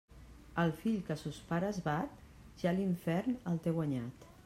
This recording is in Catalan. El fill que a sos pares bat, ja l'infern el té guanyat.